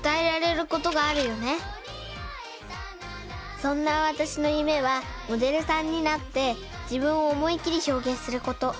そんなわたしのゆめはモデルさんになって自分を思いっきりひょうげんすること。